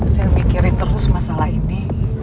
saya mikirin terus masalah ini